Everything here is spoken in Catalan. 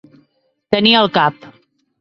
Tenir al cap.